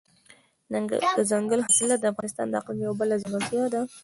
دځنګل حاصلات د افغانستان د اقلیم یوه بله ځانګړتیا ده.